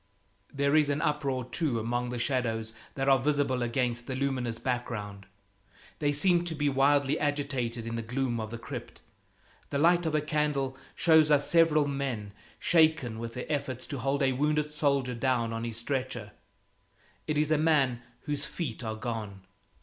There is an uproar, too, among some shadows that are visible against a luminous background; they seem to be wildly agitated in the gloom of the crypt. The light of a candle shows us several men shaken with their efforts to hold a wounded soldier down on his stretcher. It is a man whose feet are gone.